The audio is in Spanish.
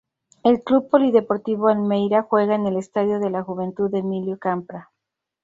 El Club Polideportivo Almería juega en el Estadio de la Juventud Emilio Campra.